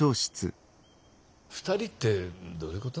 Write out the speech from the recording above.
２人ってどういうこと？